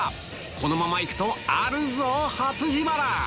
このままいくとあるぞ初自腹！